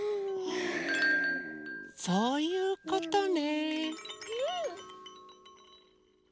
そういうことね。